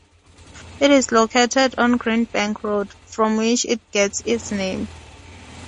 It is located on Greenbank Road, from which it gets its name.